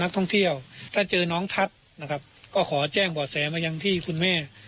ท่องเที่ยวถ้าเจอน้องทัศน์นะครับก็ขอแจ้งบ่อแสมายังที่คุณแม่